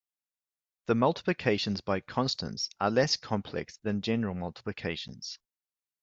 The multiplications by constants are less complex than general multiplications.